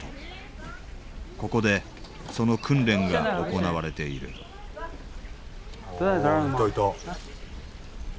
ここでその訓練が行われているあいたいた。